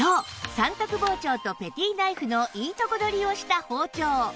三徳包丁とペティナイフのいいとこ取りをした包丁